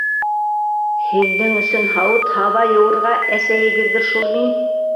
Һеҙҙең өсөн һауыт-һаба йыуырға — әсәйегеҙҙер шул мин.